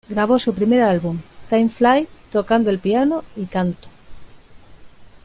Grabó su primer álbum "Time Flies", tocando el piano y canto.